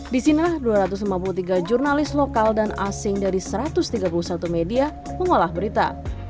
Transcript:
disinilah dua ratus lima puluh tiga jurnalis lokal dan asing dari satu ratus tiga puluh satu media mengolah berita